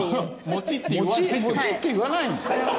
もちって言わないの？